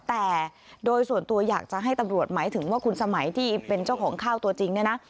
แต่โดยส่วนตัวอยากจะให้ตำรวจหมายถึงว่าคุณสมัยที่เป็นเจ้าของข้าวตัวจริงเนี่ยนะ